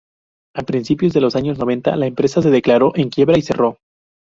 A principios de los años noventa la empresa se declaró en quiebra y cerró.